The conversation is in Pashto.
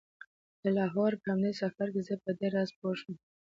د لاهور په همدې سفر کې زه په دې راز پوی شوم.